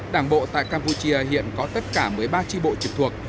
đảng bộ tại campuchia hiện có tất cả một mươi ba tri bộ trực thuộc